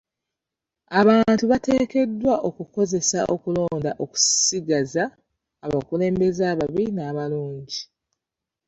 Abantu bateekeddwa okukozesa okulonda okusigiza abakulembeze ababi n'abalungi.